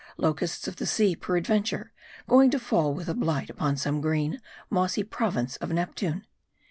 Locusts of the sea, peradventure, going to fall with a blight upon some green, mossy province of Neptune.